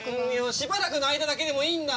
しばらくの間だけでもいいんだ！